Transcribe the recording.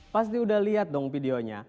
pasti udah lihat dong videonya